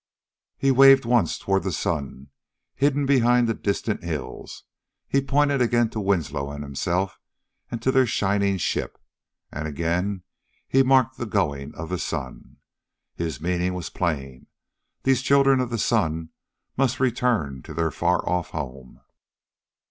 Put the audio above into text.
He waved once toward the sun, hidden behind the distant hills: he pointed again to Winslow and himself and to their shining ship: and again he marked the going of the sun. His meaning was plain these children of the sun must return to their far off home.